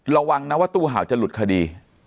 ระวังนะว่าตู้เห่าจะหลุดคดี